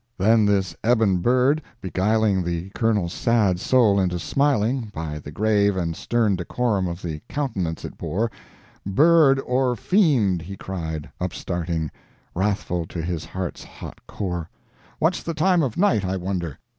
Then this ebon bird beguiling the Colonel's sad soul into smiling, by the grave and stern decorum of the countenance it bore, "Bird or fiend," he cried, upstarting, (wrathful to his heart's hot core). "What's the time of night, I wonder?